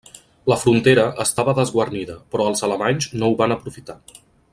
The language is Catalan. La frontera estava desguarnida però els alemanys no ho van aprofitar.